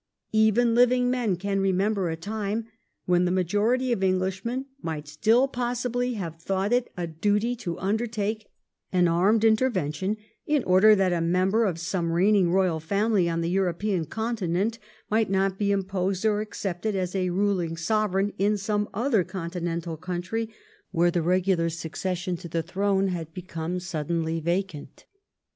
Even living men can remember a time when the majority of EngUshmen might still possibly have thought it a duty to undertake an armed intervention in order that a member of some reigning royal family on the European Continent might not be imposed or accepted as a ruling Sovereign in some other con tinental country where the regular succession to the throne had become suddenly vacant.